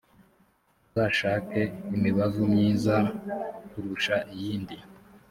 uzashake imibavu myiza kurusha iyindi